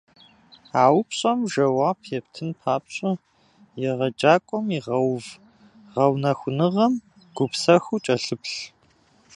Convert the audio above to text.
А упщӀэм жэуап ептын папщӀэ, егъэджакӀуэм игъэув гъэунэхуныгъэм гупсэхуу кӀэлъыплъ.